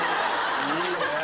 いいね！